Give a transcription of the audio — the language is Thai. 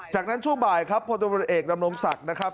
จากนั้นช่วงบ่ายครับผลเอกนำลงศักดิ์นะครับ